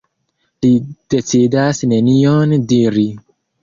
Li decidas nenion diri.